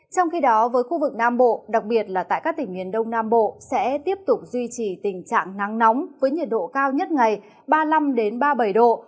trong khi đó với khu vực nam bộ đặc biệt là tại các tỉnh miền đông nam bộ sẽ tiếp tục duy trì tình trạng nắng nóng với nhiệt độ cao nhất ngày ba mươi năm ba mươi bảy độ